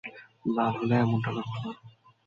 লাল হলে এমনটা লাগতো না।